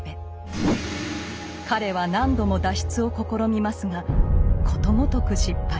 彼は何度も脱出を試みますがことごとく失敗。